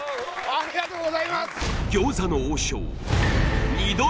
ありがとうございます！